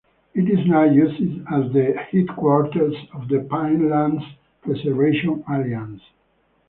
It is now used as the headquarters of the Pinelands Preservation Alliance.